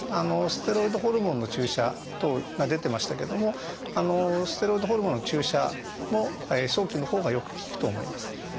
ステロイドホルモンの注射等が出てましたけどもステロイドホルモンの注射も早期のほうがよく効くと思います。